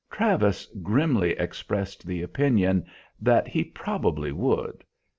Travis grimly expressed the opinion that he probably would.